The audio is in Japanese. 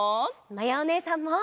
まやおねえさんも！